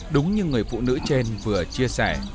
đúng như người phụ nữ trên vừa chia sẻ